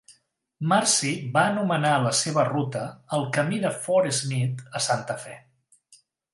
Marcy va anomenar la seva ruta el "camí de Forth Smith a Santa Fe".